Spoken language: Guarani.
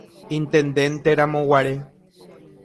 Intendenteramoguare.